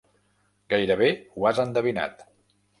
Gairebé ho has endevinat.